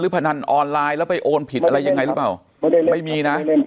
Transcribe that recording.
พนันออนไลน์แล้วไปโอนผิดอะไรยังไงหรือเปล่าไม่มีนะ